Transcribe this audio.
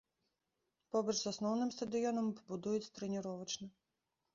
Побач з асноўным стадыёнам пабудуюць трэніровачны.